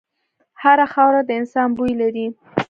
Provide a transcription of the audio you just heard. هره خاوره د انسان بوی لري.